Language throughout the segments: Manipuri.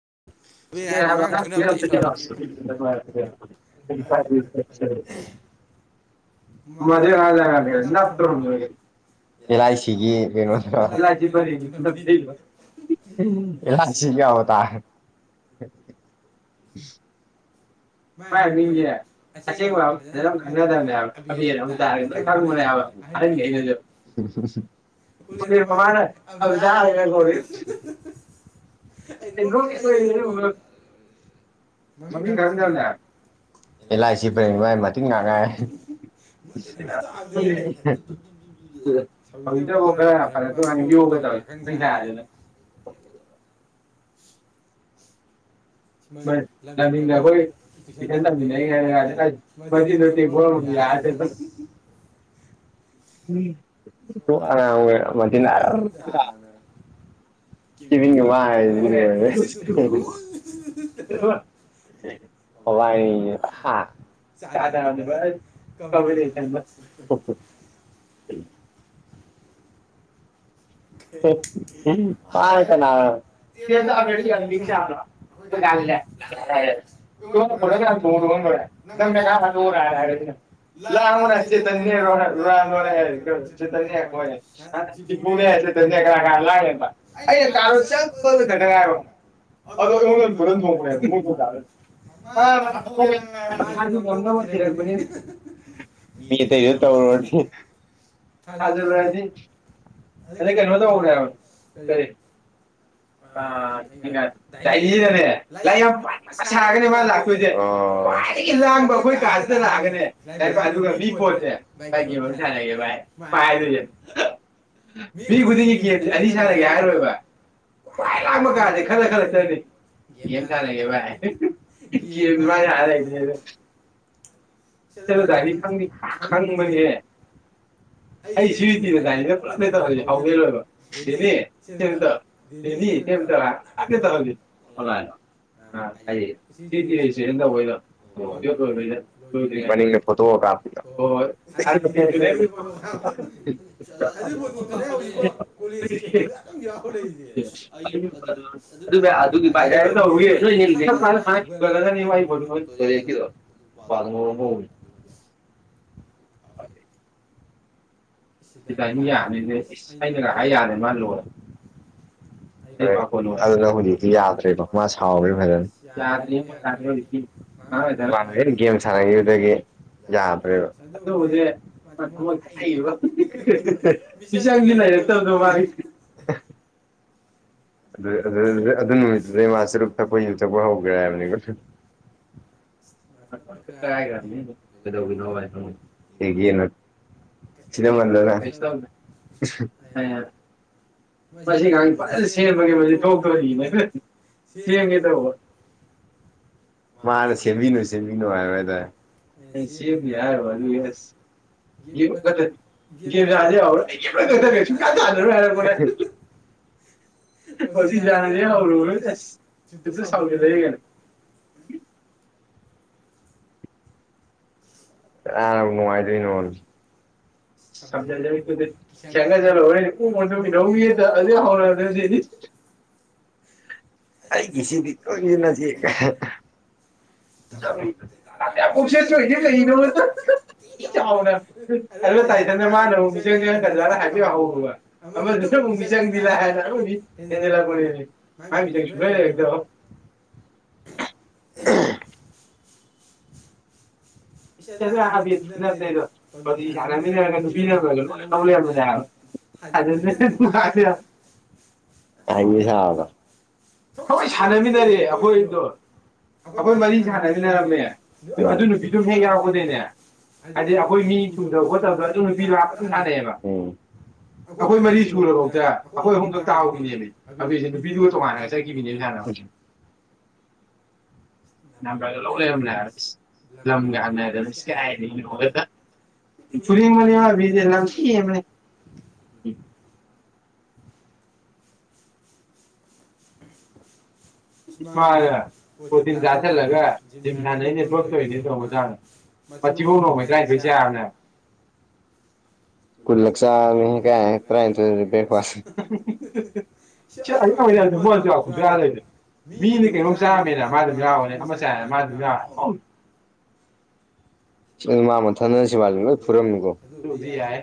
[unintelligible] [unintelligible] [unintelligible] [unintelligible] [unintelligible] [unintelligible] ꯏꯂꯥꯏꯁꯤꯒꯤ ꯏꯂꯥꯏꯆꯒꯤ [inaudible] ꯃꯥꯏꯒꯤ ꯃꯤꯡꯁꯦ ꯑꯁꯦꯡꯕ ꯑꯃ ꯐꯖꯅ ꯈꯪꯅꯗꯕꯅꯦꯕ ꯑꯕꯦꯔ ꯑ ꯇꯥꯔꯒ ꯂꯣꯏ ꯈꯪꯕꯅꯦꯕ ꯑꯍꯟꯈꯩꯩꯅꯁꯨ ꯎꯂꯦꯟ ꯃꯃꯥꯅ ꯑ ꯇꯥꯔꯒ ꯀꯧꯔꯦ ꯑꯩ ꯅꯣꯛ ꯃꯃꯤꯡ ꯈꯪꯗꯕꯅꯦꯕ ꯂꯥꯏ ꯁꯧꯖꯤꯗꯐ ꯈꯔ ꯐꯔꯛꯄ ꯋꯥ ꯌꯣꯒ ꯇꯧꯔꯦ ꯄꯥꯈꯪ ꯁꯥꯥꯗꯅ ꯁꯃ ꯂꯝꯗꯤꯗ ꯑꯩꯈꯣꯏ ꯇꯨꯏꯁꯟ ꯇꯝꯃꯤꯟꯅꯔꯤꯉꯥꯏꯗ ꯀꯗꯦ ꯑꯁ ꯃꯤꯟꯗꯨ ꯇꯦꯡꯀꯣꯃꯝ ꯌꯥꯔ ꯆꯠꯄ ꯎꯝ ꯃꯊꯔ ꯇ ꯆꯅꯦ ꯀꯅꯦꯁꯟ ꯏꯉꯣꯟꯅ ꯕꯣ ꯅ ꯊꯣꯡꯨ ꯈꯂꯨꯔꯦ ꯅꯪ ꯀꯩꯈꯥ ꯍꯥꯊꯔ ꯍꯥꯏꯁꯤ ꯂꯥꯡꯅꯦꯣꯏꯦ ꯆꯐꯨꯅꯦ ꯦꯕ ꯑꯩꯅ ꯉꯥꯏꯕꯪ ꯑꯗꯣ ꯑꯩꯉꯣꯟꯗ ꯍꯥꯠꯇꯣꯛꯀꯦꯁꯨ ꯉꯝꯗꯧꯕ ꯊꯤꯔꯛꯄꯅꯤ ꯃꯤ ꯑꯇꯩꯁꯨ ꯇꯧꯔꯨꯔ ꯊꯥꯖꯤꯜꯂꯛꯑꯗꯤ ꯑꯗ ꯀꯩꯅꯃꯗ ꯍꯔ ꯀꯔꯤ ꯑ ꯂꯥꯛꯔꯤꯁꯤꯗꯅꯦ ꯂꯥꯏ ꯌꯥꯝ ꯄ ꯁꯥꯒꯅꯦ ꯃꯥ ꯂꯥꯛꯇꯣꯏꯁꯦ ꯈ꯭ꯋꯥꯏꯗꯒꯤ ꯂꯥꯡꯕ ꯑꯩꯈꯣꯏ ꯀꯥꯁꯤꯗ ꯂꯥꯛꯑꯒꯅꯦ ꯑꯗꯨꯒ ꯃꯤ ꯄꯣꯠꯁꯦ ꯂꯥꯏ ꯀꯦꯝ ꯑꯃ ꯁꯥꯟꯅꯩꯒꯦ ꯚꯥꯏ ꯄꯥꯏꯗꯣꯏꯁꯦ ꯈꯨꯗꯤꯡꯒꯤ ꯀꯦꯦ ꯑꯅꯤ ꯁꯥꯔꯒꯦ ꯍꯥꯏꯔꯣꯏꯕ ꯈ꯭ꯋꯥꯏ ꯂꯥꯡꯕ ꯀꯥꯁꯦ ꯈꯜꯂ ꯈꯜꯂꯛꯇꯕꯅꯤ ꯀꯦꯝ ꯁꯥꯟꯅꯒꯦ ꯚꯥꯏ ꯀꯦꯝꯚ ꯂꯩꯅꯦ ꯑꯗ ꯆꯠꯂꯣ ꯗꯥꯏꯅꯤ ꯈꯪꯅꯤ ꯈꯪꯕꯅꯤꯍꯦ ꯑꯩ ꯁꯤꯔꯤꯇꯤꯗ ꯗꯥꯏꯅꯤꯗ ꯄꯨꯂꯞ ꯂꯩ ꯇꯧꯔꯒꯦ ꯍꯥꯎꯋꯦꯔꯣꯏꯕ ꯁꯤꯅꯤ ꯁꯤꯇ ꯧ ꯣꯁꯤ ꯀꯩꯅꯣꯗꯝ ꯌ ꯋꯥ ꯍ ꯂꯩ ꯒꯤ ꯚ ꯇꯦꯗ ꯗꯥꯏꯅꯤ ꯌꯥꯕꯅꯦꯅꯦ ꯏꯁ ꯑꯩꯅꯒ ꯍꯥꯏ ꯌꯥꯔꯦ ꯃꯥꯜ ꯂꯦ ꯑꯗꯨꯅ ꯍꯧꯖꯤꯛꯇꯤ ꯌꯥꯗ꯭ꯔꯦꯕ ꯃꯥ ꯁꯥꯎꯒꯔꯦ ꯐꯖꯅ [unintelligible] ꯒꯦꯝ ꯁꯥꯟꯅꯈꯤꯕꯗꯒꯤ ꯌꯥꯗ꯭ꯔꯦꯕ ꯃꯤꯁꯪꯖꯨꯂꯩꯔꯛꯇꯕꯗꯣ ꯃꯥꯒꯤ ꯑꯗꯨꯗ ꯑꯗꯨ ꯑꯗꯨꯅ ꯗꯨꯗꯩ ꯃꯥꯆꯨꯔꯨꯞ ꯊꯛꯄ ꯌꯨ ꯊꯛꯄ ꯍꯧꯈꯒꯔꯦ ꯍꯥꯏꯕꯅꯤꯀꯣ ꯀꯥꯏꯒꯔꯃꯤ ꯑꯗꯨꯝ ꯀꯩꯗꯧꯏꯅꯣ ꯚꯥꯏ ꯦꯒꯤꯅ ꯁꯤꯗ ꯃꯂꯗ ꯀꯩꯁꯨ ꯇꯧꯗꯦ ꯃꯁꯤꯉꯥꯡ ꯁꯤ ꯐꯠ ꯐꯥꯖꯅ ꯁꯦꯝꯕꯒꯦ ꯃ ꯊꯣꯛꯇꯣꯅꯤꯅꯦ ꯍ ꯁꯦꯝꯒꯦ ꯇꯧꯕ ꯃꯥꯅ ꯁꯦꯝꯕꯤꯅꯨ ꯁꯦꯝꯕꯤꯅꯨ ꯍꯥꯏꯔ ꯑꯩꯅ ꯁꯦꯝꯅꯤ ꯍꯥꯏꯔꯨꯕ ꯑꯗꯨꯒꯤ ꯑꯁ ꯒꯦꯝ ꯂ ꯀꯛꯊꯠ ꯒꯦꯝ ꯁꯥꯁ ꯍꯎꯔꯥ ꯑꯩ ꯒꯦꯝ ꯂꯣꯏ ꯀꯛꯊꯠꯈꯔ꯭ꯦ ꯁꯨꯛꯁꯥꯟ ꯁꯥꯟꯅꯔꯣꯏ ꯍꯥꯏꯔꯄꯅꯦ ꯍꯧꯖꯤꯛ ꯌꯥꯗꯦ ꯍꯧꯔꯨꯕꯔ ꯑꯁ ꯍꯦꯛꯇ ꯁꯥꯎꯖꯜꯂꯛꯏ ꯀꯩꯅ ꯀꯅꯥꯅꯕꯨ ꯅꯨꯡꯉꯥꯏꯗꯨꯏꯅꯣꯗ ꯁꯖ ꯁꯦꯡꯒꯥ ꯆꯂ ꯑꯣꯏꯔ ꯎ ꯔꯧꯏꯗ ꯑꯗꯨ ꯍ [unintelligible] ꯑꯩꯒꯤ ꯁꯤꯗꯤꯛ ꯀꯣꯏꯃꯤꯟꯅꯁꯦ ꯒ ꯍ ꯦꯁꯅ [unintelligible] ꯇꯥꯏꯊꯟꯅ ꯃꯥꯅ ꯑꯃꯨꯛ ꯃꯤꯆꯪ ꯆꯉꯛꯀꯗꯔꯅ ꯍꯥꯏꯐꯦ ꯍꯧꯔꯨꯕ ꯑꯃꯗꯨꯅ ꯑꯃꯨꯛ ꯃꯤꯆꯪꯗꯤ ꯂꯥꯏꯔꯗꯅ ꯑꯗꯨꯝꯗꯤ ꯍꯦꯟꯖꯤꯜꯂꯛꯄꯅꯦꯃꯦ ꯃꯤꯆꯪ ꯁꯨꯡꯂꯩ ꯂꯩꯔꯛꯇꯕ ꯑꯍꯝ ꯏꯗ ꯍꯥꯏꯐꯦꯠ ꯊꯨꯅ ꯇꯩꯗꯣ ꯍꯧꯖꯤꯛ ꯁꯥꯟꯅꯃꯤꯟꯅꯔꯒ ꯅꯨꯄꯤ ꯅꯝꯕꯔꯒ ꯂꯣꯏꯅ ꯂꯧ ꯂꯩꯔꯝꯕꯅꯦ ꯍꯥꯏꯕꯣ ꯁꯣꯏ ꯁꯥꯟꯅꯃꯤꯟꯅꯔꯦ ꯑꯩꯈꯣꯏꯗꯣ ꯑꯩꯈꯣꯏ ꯃꯔꯤ ꯁꯥꯟꯅꯃꯤꯟꯅꯔꯝꯃꯦ ꯑꯗꯨ ꯅꯨꯄꯤꯗꯨ [unintelligible] ꯑꯗꯨꯝ ꯍꯦꯛ ꯌꯥꯑꯣ ꯄꯨꯟꯗꯩꯅꯦ ꯍꯥꯏꯗꯤ ꯑꯩꯈꯣꯏ ꯃꯤ ꯁꯨꯗꯕ ꯈꯣꯠꯇꯕꯗ ꯑꯗꯨ ꯅꯨꯄꯤ ꯂꯥꯞꯇꯝ ꯁꯥꯟꯅꯩꯑꯕ ꯑꯩꯈꯣꯏ ꯃꯔꯤ ꯁꯨꯔꯕꯧꯎꯗ ꯑꯩꯈꯣꯏ ꯑꯍꯨꯝ ꯈꯛ ꯇꯥꯍꯧꯕꯤꯅꯦꯃꯦ ꯍꯥꯕꯤꯁꯦ ꯅꯨꯄꯤꯗꯨꯒ ꯇꯣꯉꯥꯟꯅꯒ ꯆꯠꯈꯤꯕꯅꯦꯕ ꯁꯥꯟꯅꯈꯣꯏꯁꯦ ꯅꯝꯕꯔꯒ ꯂꯧ ꯂꯩꯔꯝꯅꯦ ꯍꯥꯏꯕ ꯑꯁ ꯂꯝꯒ ꯍꯪꯅ ꯏꯁ ꯀꯥꯏꯗꯩꯅꯣ ꯐꯨꯅꯤꯡꯕꯅꯤ ꯃꯕꯤꯗꯤ ꯂꯝꯁꯤꯍꯦꯟꯕꯅꯤ inaudible ꯏꯁꯃꯥꯅ ꯄꯣꯇꯤꯟ ꯆꯥꯥꯁꯜꯂꯒ ꯖꯤꯝ ꯁꯥꯟꯅꯩꯅꯦ ꯕꯛꯇꯣꯏꯅꯦ ꯇꯣꯡꯃ ꯃꯇꯥꯡꯗ ꯃꯊꯤꯕꯣꯡ ꯅꯣꯡꯃꯩ ꯇꯔꯥꯏꯟꯊꯣꯏ ꯆꯥꯝꯅꯦ ꯍꯥꯏꯕ ꯑꯁꯦꯡꯕꯩꯅꯦ ꯑꯗ ꯃꯥꯟꯅ ꯆꯥꯕ ꯈꯨꯆꯥ ꯂꯩꯇꯔ꯭ꯦ ꯃꯤꯅꯤꯅ ꯀꯩꯅꯣꯝ ꯆꯥꯕꯃꯦꯗ ꯃꯥ ꯑꯗꯨꯝ ꯌꯥꯎꯑꯣꯅꯦ ꯑꯃ ꯆꯥ ꯃꯥ ꯑꯗꯨꯝ ꯌꯥꯎꯔꯦ ꯑ ꯃꯥ ꯃꯊꯟꯗꯅ ꯁꯦꯕ ꯂꯣꯏ ꯐꯨꯔꯝꯅꯤꯀꯣ ꯗꯨꯕꯨꯗꯤ ꯌꯥꯏ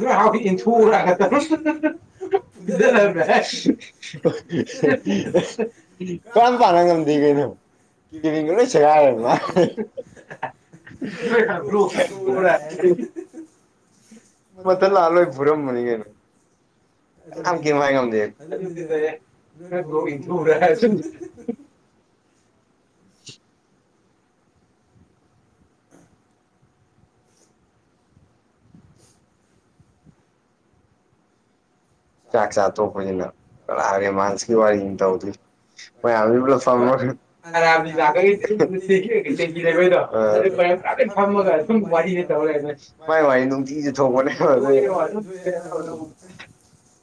ꯅꯣꯏ ꯍꯥꯎꯇꯤ ꯏꯟꯊꯣꯛꯎꯔꯑꯒ ꯏꯥꯟ ꯄꯥꯅ ꯉꯝꯗꯦ ꯀꯩꯅꯣ ꯀꯦꯔꯤꯡꯗꯣ ꯂꯣꯏ ꯁꯦꯒꯥꯏꯔꯦ ꯃꯥ [unintelligible] ꯃꯊꯟ ꯂꯥꯛꯑ ꯂꯣꯏ ꯐꯨꯔꯝꯕꯅꯤꯅꯦꯝꯗꯦ ꯑꯗꯨꯝꯗꯤꯅꯦ ꯅꯣꯏꯥꯎ ꯏꯟꯊꯨꯔꯦ ꯍꯥꯏ [unintelligible] [unintelligible] ꯆꯥꯛ ꯆꯥ ꯇꯣꯛꯄꯅꯤꯅ ꯂꯥꯛꯑꯒ ꯔꯣꯃꯥꯟꯁꯀꯤ ꯋꯥꯔꯤꯅꯤ ꯇꯧꯗꯣꯏꯁꯤ [unintelligible]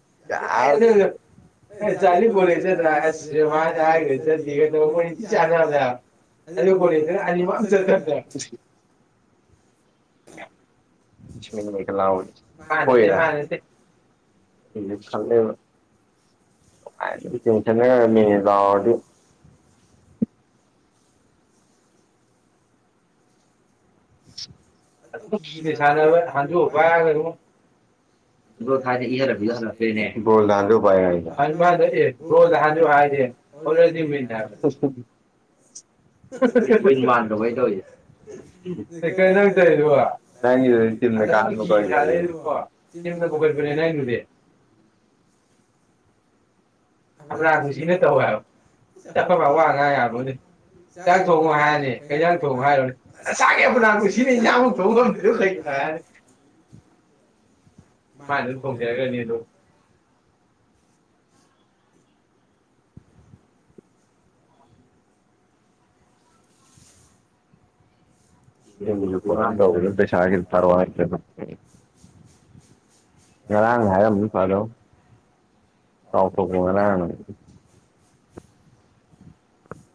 [unintelligible] [unintelligible] ꯈꯜꯂꯦꯕ ꯑꯗ [unintelligible] ꯃꯤꯅꯦ ꯂꯥꯎ ꯔꯗꯤ [inaudible] ꯅꯤꯁꯥꯅꯦꯕ ꯍꯥꯟꯖꯣ ꯄꯥꯏꯔꯑ ꯏꯕꯣ [unintelligible] ꯁꯤꯝꯅ ꯄꯨꯈꯠꯄꯅꯦꯕ ꯅꯪꯗꯨꯗꯤ ꯍꯥꯞꯅꯥ ꯀꯨꯁꯤꯅ ꯇꯧ ꯍꯥꯏꯕ ꯆꯐꯝ ꯑꯋꯥ ꯑ ꯉꯥꯡ ꯌꯥꯕꯗꯤ ꯆꯥꯛ ꯊꯣꯡꯉꯣ ꯍꯥꯏꯔꯅꯤ ꯀꯩꯁꯥꯡ ꯊꯣꯡꯉꯣ ꯍꯥꯏꯔꯣꯅꯦ ꯉꯁꯥꯒꯤ ꯍꯥꯞꯅꯥ ꯀꯨꯁꯤꯅ ꯏꯟꯖꯥꯡꯛ ꯊꯣꯡꯐꯝꯗꯨꯅꯣ ꯀꯩꯒꯤꯅꯣ ꯍꯥꯏꯔꯅꯤ ꯃꯥꯅꯁꯨ ꯊꯣꯡꯒꯦ ꯍꯥꯏꯔꯛꯀꯅꯤ ꯑꯗꯨꯝ [unintelligible] ꯉꯔꯥꯡ ꯍꯥꯏꯔꯝ ꯐꯗꯧ ꯀꯥꯎꯊꯣꯛꯄ ꯉꯔꯥꯡꯅ ꯑꯃꯨꯛ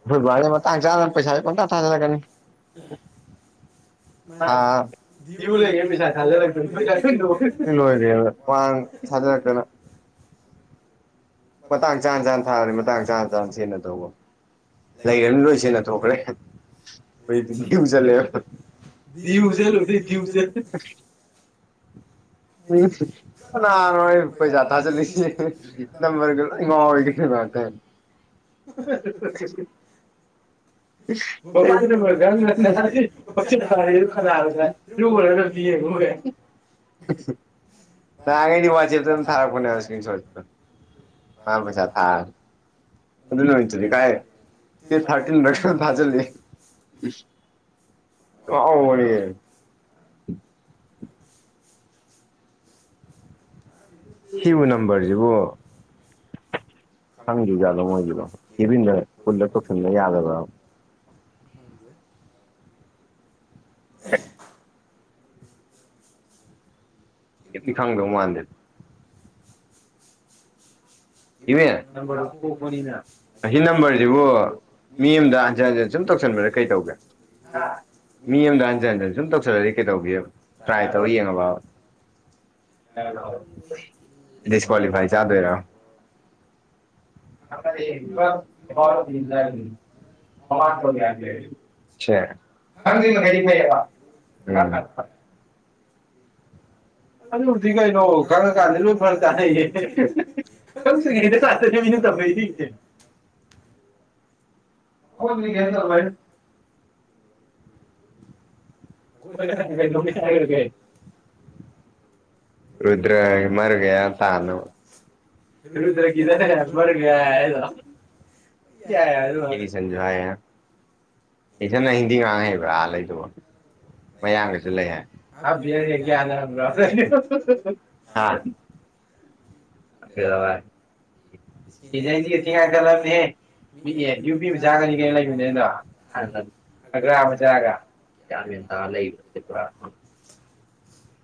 ꯈꯣꯏ ꯕꯥꯅ ꯃꯇꯥꯡ ꯆꯥꯗꯅ ꯄꯩꯁꯥ ꯄꯪꯊꯥ ꯊꯥꯖꯟꯂꯛꯀꯅꯤ [unintelligible] ꯃꯇꯥꯡ ꯆꯥ ꯆꯥꯅ ꯊꯥꯔꯗꯤ ꯃꯇꯥꯡ ꯆꯥ ꯆꯥ ꯁꯤꯖꯤꯟꯅ ꯇꯧꯕ ꯂꯩꯔꯃꯤ ꯂꯣꯏ ꯁꯤꯖꯟꯅ ꯊꯣꯛꯈ꯭ꯔꯦ ꯍꯧꯖꯤꯛꯇꯤ ꯗ꯭ꯌꯨ ꯆꯜꯂꯦꯕꯌꯨ ꯆꯜꯂꯨꯗ ꯀꯅꯥꯅꯣ ꯄꯩꯁꯥ ꯊꯥꯖꯤꯜꯂꯤꯁꯦ ꯅꯝꯕꯔꯒ ꯂꯣꯏ ꯉꯥꯎꯔꯦ [unintelligible] [unintelligible] [unintelligible] ꯗꯦꯇ ꯊꯔꯇꯤꯟ ꯔꯛ ꯐꯖꯅꯤ ꯑ ꯋꯥꯔꯤ ꯁꯤꯕꯨ ꯅꯝꯕꯔꯁꯤꯕꯨ ꯈꯪꯗ꯭ꯖꯥꯠꯗꯣ ꯃꯣꯏꯒꯤꯗꯣ ꯀꯦꯕꯤꯟꯗ ꯄꯨꯜꯂ ꯇꯧꯁꯤꯟꯕ ꯌꯥꯗꯕ꯭ꯔꯥ [inaudible] ꯍꯅꯤ ꯈꯪꯗꯧ ꯃꯥꯟꯗꯦ ꯏ ꯁꯤ ꯅꯝꯕꯔꯁꯤꯕꯨ ꯃꯤ ꯑꯃꯗ ꯑꯟꯖꯔꯟꯦꯟ ꯁꯨꯝ ꯇꯧꯁꯟꯕꯗ ꯀꯩ ꯇꯧꯒꯦ ꯃꯤ ꯑꯃꯗ ꯑꯟꯖꯔ ꯍꯟꯖꯦꯟ ꯁꯨꯝ ꯇꯧꯁꯜꯂꯗꯤ ꯀꯩ ꯇꯧꯒꯕ ꯇ꯭ꯔꯥꯏ ꯇꯧꯔ ꯌꯦꯡꯉꯕꯗꯤꯁꯀ꯭ꯋꯥꯂꯤꯐꯥꯏ ꯆꯥꯗꯣꯏꯔꯥ ꯀꯔꯤ ꯐꯩ ꯑꯗꯨꯕꯨꯗꯤ ꯀꯩꯅꯣ ꯈꯪꯉꯀꯥꯟꯗꯗꯤ ꯂꯣꯏ ꯐꯔ ꯇꯥꯟꯅꯩꯌꯦ ꯈꯪꯁꯤ꯭ꯔꯤꯉꯩꯗ ꯇꯥꯇꯅꯦ ꯃꯤꯅ ꯇꯝꯝꯕꯩꯗꯤ ꯏꯇꯦ ꯑꯩꯣꯏ ꯀꯗ ꯃꯤꯒꯦ [inaudible] ꯔꯨꯗ꯭ꯔ ꯃꯔꯒ ꯇꯥꯅ ꯁꯔꯨꯗ꯭ꯔꯛ ꯀꯗ ꯌꯥꯝ ꯃꯔ ꯀꯗꯣ ꯌꯥꯏ ꯑꯗꯨ ꯃꯥꯅ ꯏꯊꯅ ꯍꯤꯟꯗꯤ ꯉꯥꯡꯉꯩꯕ꯭ꯔꯥꯥ ꯂꯩꯗꯧꯕ ꯃꯌꯥꯝꯒꯁꯨ ꯂꯩ ꯍꯥꯏꯞ ꯁꯤꯅꯦ ꯑꯩꯗꯤꯒ ꯊꯤꯉꯥꯏ ꯈꯠꯂꯕꯅꯦꯍꯦ ꯌꯨꯝꯕꯤꯕꯆꯥꯥꯒꯅꯤ ꯀꯩꯅꯣ ꯂꯩꯕꯅꯦ ꯑꯩꯅꯣ ꯍꯅ ꯈꯒ꯭ꯔꯥ ꯃꯆꯥꯒ ꯌꯥꯝ ꯇ ꯂꯩꯕ꯭ꯔꯥ ꯇꯔꯤꯄꯨꯔꯥ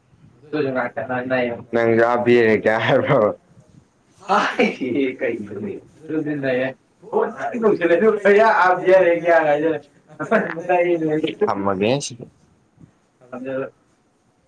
ꯉ ꯅꯪꯁꯨ ꯍꯥꯏꯂ